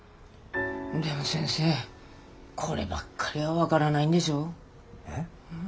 でも先生こればっかりは分がらないんでしょ？え？